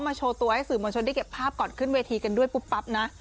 โชว์ตัวให้สื่อมวลชนได้เก็บภาพก่อนขึ้นเวทีกันด้วยปุ๊บปั๊บนะ